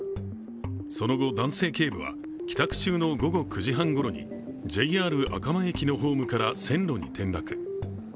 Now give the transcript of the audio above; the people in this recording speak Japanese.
その後、男性警部は帰宅中の午後９時半ごろにＪＲ赤間駅の線路からホームに転落。